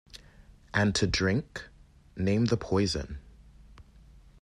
And to drink? Name the poison.